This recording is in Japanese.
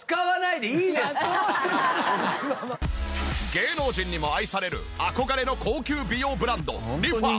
芸能人にも愛される憧れの高級美容ブランドリファ。